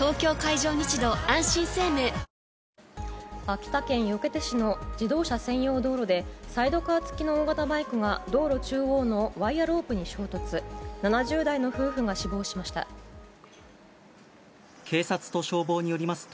秋田県横手市の自動車専用道路で、サイドカー付きの大型バイクが道路中央のワイヤロープに衝警察と消防によります